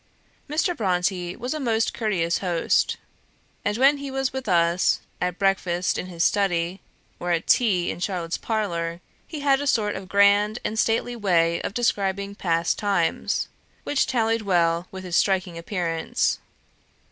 Mr. Brontë was a most courteous host; and when he was with us, at breakfast in his study, or at tea in Charlotte's parlour, he had a sort of grand and stately way of describing past times, which tallied well with his striking appearance.